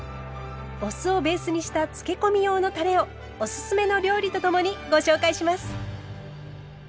お酢をベースにしたつけ込み用のたれをおすすめの料理とともにご紹介します。